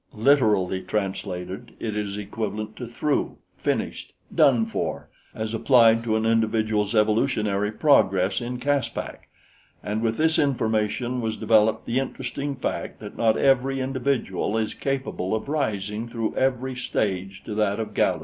Literally translated, it is equivalent to through, finished, done for, as applied to an individual's evolutionary progress in Caspak, and with this information was developed the interesting fact that not every individual is capable of rising through every stage to that of Galu.